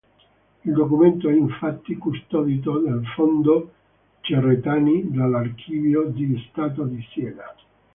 Il documento è infatti custodito nel fondo "Cerretani" dell'Archivio di Stato di Siena.